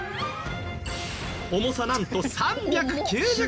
重さなんと３９０キロ。